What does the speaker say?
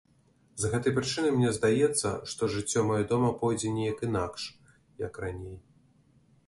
З гэтай прычыны мне здаецца, што жыццё маё дома пойдзе нейк інакш, як раней.